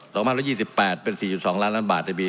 สองพันร้อยยี่สิบแปดเป็นสี่สิบสองล้านล้านบาทในปี